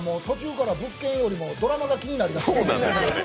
途中から物件よりもドラマが気になりまして。